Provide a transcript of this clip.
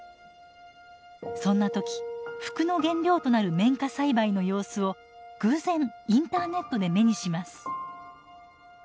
そんな時服の原料となる綿花栽培の様子を偶然インターネットで目にします。